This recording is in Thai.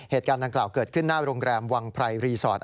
เหตุการณ์ดังกล่าวเกิดขึ้นหน้าโรงแรมวังไพรรีสอร์ท